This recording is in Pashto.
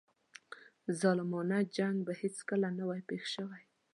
ظالمانه جنګ به هیڅکله نه وای پېښ شوی.